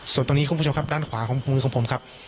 ส่วนตรงนี้คุณผู้ชมครับด้านขวาของมือของผมครับ